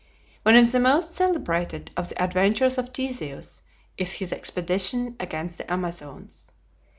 One of the most celebrated of the adventures of Theseus is his expedition against the Amazons.